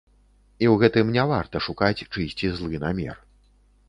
І ў гэтым не варта шукаць чыйсьці злы намер.